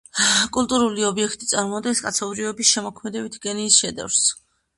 კულტურული ობიექტი წარმოადგენს კაცობრიობის შემოქმედებითი გენიის შედევრს.